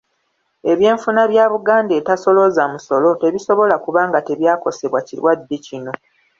Ebyenfuna bya Buganda etasolooza musolo tebisobola kuba nga tebyakosebwa kirwadde kino.